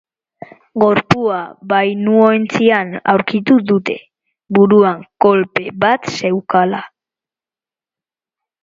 Gorpua bainuointzian aurkitu dute, buruan kolpe bat zeukala.